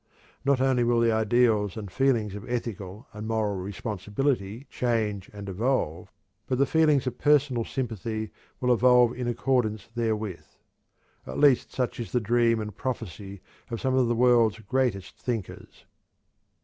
Not only will the ideals and feelings of ethical and moral responsibility change and evolve, but the feelings of personal sympathy will evolve in accordance therewith. At least such is the dream and prophecy of some of the world's greatest thinkers.